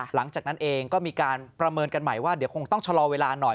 หลังจากนั้นเองก็มีการประเมินกันใหม่ว่าเดี๋ยวคงต้องชะลอเวลาหน่อย